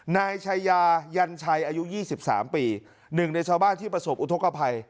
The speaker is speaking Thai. นายชายะยัญชัยอายุยี่สิบสามปีหนึ่งในชาวบ้านที่ประสบอุทกภัย